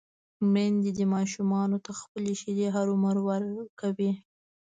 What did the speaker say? ميندې دې ماشومانو ته خپلې شېدې هرومرو ورکوي